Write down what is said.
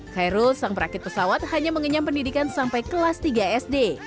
khairul sang perakit pesawat hanya mengenyam pendidikan sampai kelas tiga sd